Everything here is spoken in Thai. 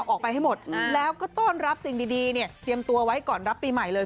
ออกไปให้หมดแล้วก็ต้อนรับสิ่งดีเนี่ยเตรียมตัวไว้ก่อนรับปีใหม่เลย